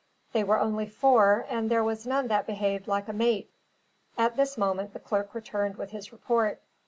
"They were only four, and there was none that behaved like a mate." At this moment the clerk returned with his report.